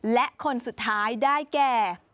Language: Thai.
และคนสุดท้ายได้แก่